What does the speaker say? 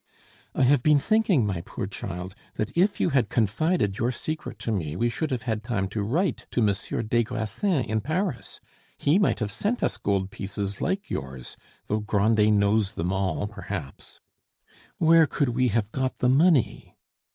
"I have been thinking, my poor child, that if you had confided your secret to me we should have had time to write to Monsieur des Grassins in Paris. He might have sent us gold pieces like yours; though Grandet knows them all, perhaps " "Where could we have got the money?"